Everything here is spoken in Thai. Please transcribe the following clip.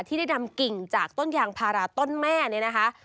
ที่ได้นำกิ่งจากต้นยางพาราต้นแม่เนี่ยนะคะ